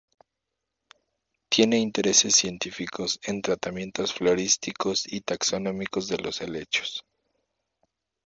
Tiene intereses científicos en tratamientos florísticos y taxonómicos de los helechos.